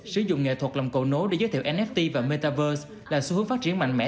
sử dụng nghệ thuật làm cầu nối để giới thiệu nft và metaverse là xu hướng phát triển mạnh mẽ